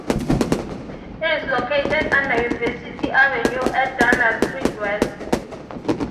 It is located under University Avenue at Dundas Street West.